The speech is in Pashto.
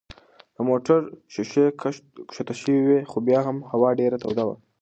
د موټر ښيښې کښته شوې وې خو بیا هم هوا ډېره توده وه.